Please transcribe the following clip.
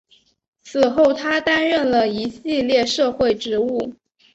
此后他担任了一系列社会职务。